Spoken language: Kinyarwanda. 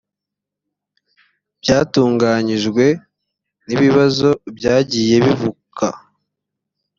byatunganyijwe n ibibazo byagiye bivuka